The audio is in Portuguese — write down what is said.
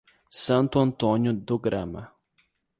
Santo Antônio do Grama